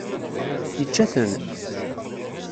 Yečča-ten?